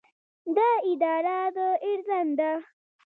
دا اداره د اردن ده.